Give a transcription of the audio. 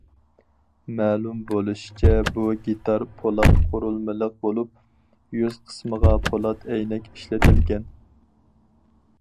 مەلۇم بولۇشىچە، بۇ گىتار پولات قۇرۇلمىلىق بولۇپ، يۈز قىسمىغا پولات ئەينەك ئىشلىتىلگەن.